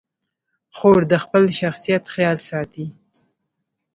خور د خپل شخصیت خیال ساتي.